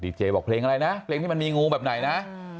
ไดีเจธุ์บอกเพลงอะไรนะแล้วก็เพลงที่มันมีงูแบบไหนนะ